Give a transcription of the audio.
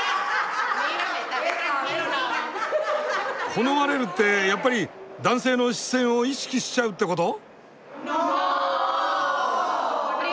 「好まれる」ってやっぱり男性の視線を意識しちゃうってこと？